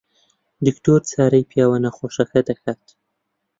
دکتۆر چارەی پیاوە نەخۆشەکە دەکات.